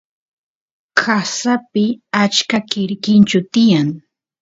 qasapi achka quirquinchu tiyan